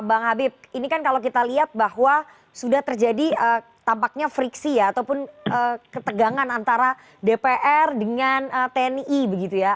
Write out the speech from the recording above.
bang habib ini kan kalau kita lihat bahwa sudah terjadi tampaknya friksi ya ataupun ketegangan antara dpr dengan tni begitu ya